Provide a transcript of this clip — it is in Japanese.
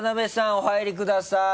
お入りください。